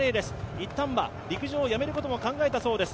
一旦は陸上をやめることも考えたそうです。